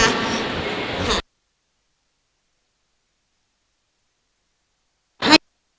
อ่า